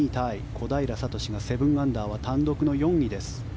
小平智が７アンダーは単独の４位です。